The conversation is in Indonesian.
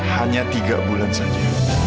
hanya tiga bulan saja